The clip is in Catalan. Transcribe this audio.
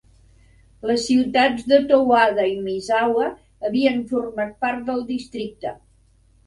Les ciutats de Towada i Misawa havien format part del districte.